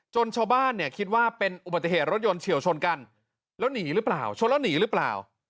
ชาวบ้านเนี่ยคิดว่าเป็นอุบัติเหตุรถยนต์เฉียวชนกันแล้วหนีหรือเปล่าชนแล้วหนีหรือเปล่า